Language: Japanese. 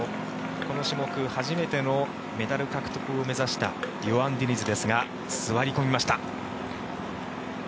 この種目初めてのメダル獲得を目指したヨアン・ディニズですが座り込みました。